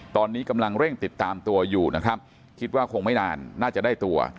ตอนนี้กำลังเร่งติดตามตัวอยู่นะครับคิดว่าคงไม่นานน่าจะได้ตัว